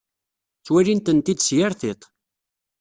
Ttwalin-tent-id s yir tiṭ.